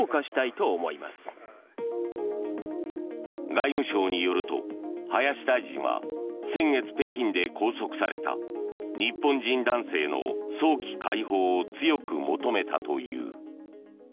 外務省によると林大臣は先月、北京で拘束された日本人男性の早期解放を強く求めたという。